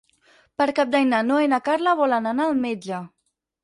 Per Cap d'Any na Noa i na Carla volen anar al metge.